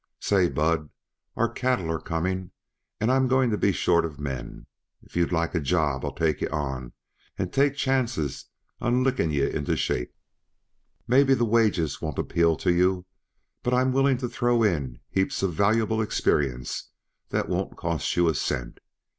"Say, Bud, our cattle are coming, and I'm going to be short uh men. If you'd like a job I'll take yuh on, and take chances on licking yuh into shape. Maybe the wages won't appeal to yuh, but I'm willing to throw in heaps uh valuable experience that won't cost yuh a cent."